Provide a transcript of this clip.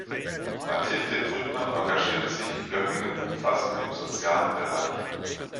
Mathilde Brückner engagierte sich in Göppingen umfassend im sozialen Bereich.